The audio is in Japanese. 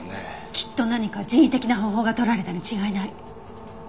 きっと何か人為的な方法が取られたに違いない。